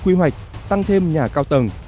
quy hoạch tăng thêm nhà cao tầng